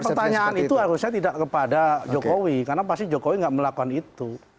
nah pertanyaan itu harusnya tidak kepada jokowi karena pasti jokowi nggak melakukan itu